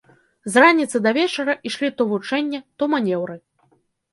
З раніцы да вечара ішлі то вучэнне, то манеўры.